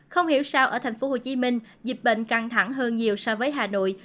không hiểu sao ở thành phố hồ chí minh dịch bệnh căng thẳng hơn nhiều so với hà nội